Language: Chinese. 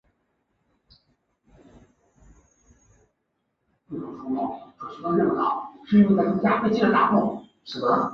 此外相对的两块颈阔肌在颈前是否交叉也因人而异。